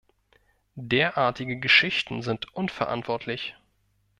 Derartige Geschichten sind unverantwortlich.